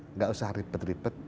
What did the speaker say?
enggak usah ribet ribet